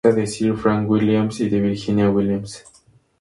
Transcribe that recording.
Hija de Sir Frank Williams y de Virginia Williams.